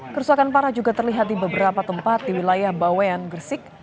kerusakan parah juga terlihat di beberapa tempat di wilayah bawean gresik